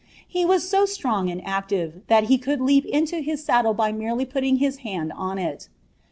lie was so strong Bad active, llial be coold leap inu> his iwldle bt merdy patting his hnnd on it.